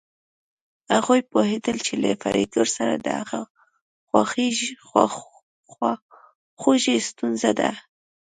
هغوی پوهېدل چې له فریدګل سره د هغه خواخوږي ستونزه ده